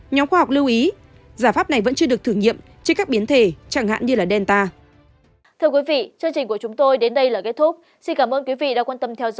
nhóm khoa học lưu ý giải pháp này vẫn chưa được thử nghiệm trước các biến thể chẳng hạn như là delta